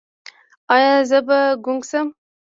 ایا زه به ګونګ شم؟